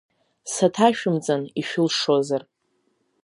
Саҭашәымҵан, ишәылшозар?!